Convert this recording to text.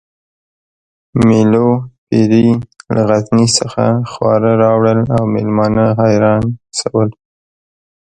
مېلو پېري له غزني څخه خواړه راوړل او مېلمانه حیران شول